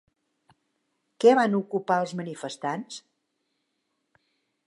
Què van ocupar els manifestants?